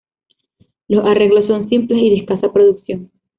Los arreglos son simples y de escasa producción.